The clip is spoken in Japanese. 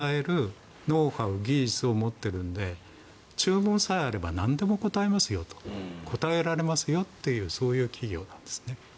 要するに世界中のものづくりを支えるノウハウ、技術を持っているので注文さえあればなんでも応えますよという応えられますよというそういう企業なんですね。